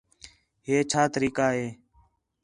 ہے چھا طریقہ ہے